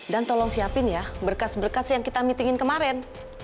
dan tolong siapin ya berkas berkas yang kita meetingin kemarin